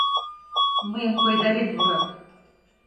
Мыйым койдарен мурат...